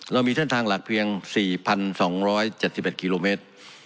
เรามีเส้นทางหลักเพียงสี่พันสองร้อยเจ็ดสิบเอ็ดกิโลเมตร